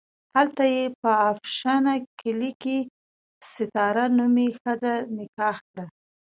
هلته یې په افشنه کلي کې ستاره نومې ښځه نکاح کړه.